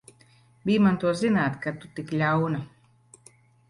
Bij man to zināt, ka tu tik ļauna!